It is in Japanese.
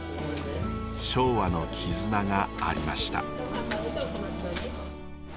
昭和の絆がありました。